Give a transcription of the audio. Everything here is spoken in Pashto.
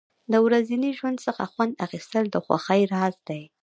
د ورځني ژوند څخه خوند اخیستل د خوښۍ راز دی.